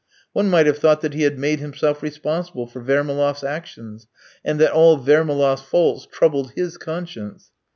One might have thought that he had made himself responsible for Vermaloff's actions, and that all Vermaloff's faults troubled his conscience.